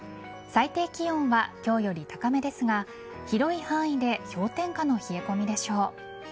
最低気温は今日より高めですが広い範囲で氷点下の冷え込みでしょう。